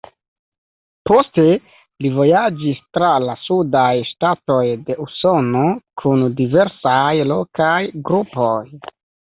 Poste li vojaĝis tra la sudaj ŝtatoj de Usono kun diversaj lokaj grupoj.